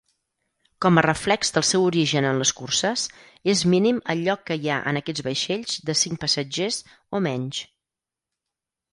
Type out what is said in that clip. Com a reflex del seu origen en les curses, és mínim el lloc que hi ha en aquests vaixells de cinc passatgers o menys.